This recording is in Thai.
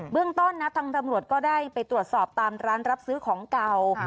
เรื่องต้นนะทางตำรวจก็ได้ไปตรวจสอบตามร้านรับซื้อของเก่า